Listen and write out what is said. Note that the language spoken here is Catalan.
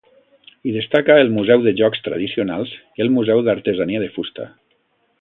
Hi destaca el museu de jocs tradicionals i el museu d'artesania de fusta.